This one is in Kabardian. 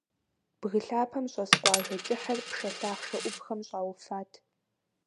Бгы лъапэм щӀэс къуажэ кӀыхьыр пшэ лъахъшэ Ӏувхэм щӀауфат.